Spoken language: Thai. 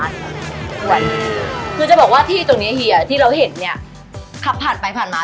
อยากจะบอกว่าที่นี้เหอะที่เราเห็นนี่